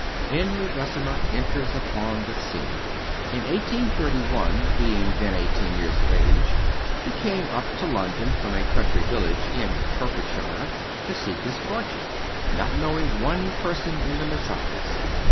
Henry Bessemer enters upon the scene. In 1831, being then eighteen years of age, he came up to London from a country village in Hertfordshire to seek his fortune, not knowing one person in the metropolis.